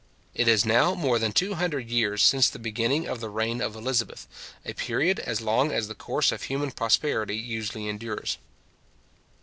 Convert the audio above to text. It is now more than two hundred years since the beginning of the reign of Elizabeth, a period as long as the course of human prosperity usually endures.